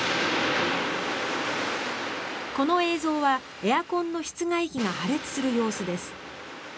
この映像はエアコンの室外機が破裂する様子です。